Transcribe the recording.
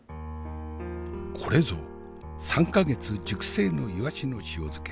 これぞ３か月熟成のいわしの塩漬け。